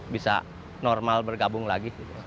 bisa normal bergabung lagi